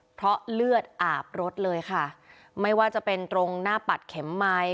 เพราะเลือดอาบรถเลยค่ะไม่ว่าจะเป็นตรงหน้าปัดเข็มไมค์